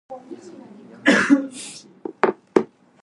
She's not in hip-hop, but it happens in hip-hop often.